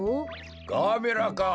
ガーベラか。